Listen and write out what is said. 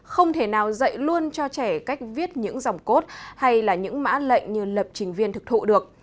không thể nào dạy luôn cho trẻ cách viết những dòng cốt hay là những mã lệnh như lập trình viên thực thụ được